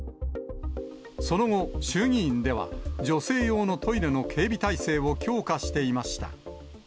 その後、衆議院では女性用のトイレの警備体制を強化していました。